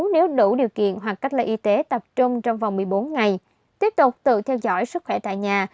nếu đủ điều kiện hoặc cách ly y tế tập trung trong vòng một mươi bốn ngày tiếp tục tự theo dõi sức khỏe tại nhà